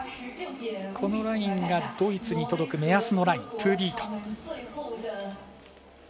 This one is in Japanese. このラインがドイツに届く目安のライン、トゥービート。